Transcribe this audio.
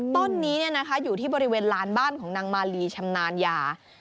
ต้นนี้อยู่ที่บริเวณลานบ้านของนางมาลีชำนาญยา